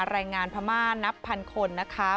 แรงงานพม่านับพันคนนะคะ